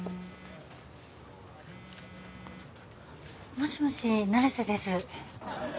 もしもし成瀬です